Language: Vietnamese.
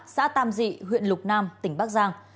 xã tam dị huyện lục nam tỉnh bắc giang